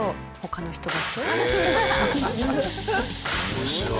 面白い。